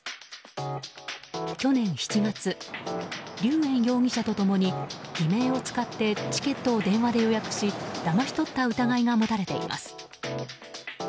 去年７月リュウ・エン容疑者と共に偽名を使ってチケットを電話で予約しだまし取った疑いが持たれています。